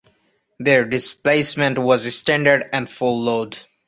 Their displacement was standard and full load.